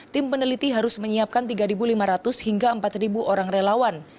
tim peneliti harus menyiapkan tiga lima ratus hingga empat orang relawan